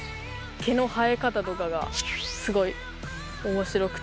毛の生え方とかがすごい面白くて。